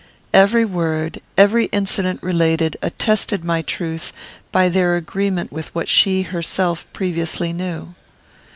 Every word, every incident related, attested my truth, by their agreement with what she herself previously knew.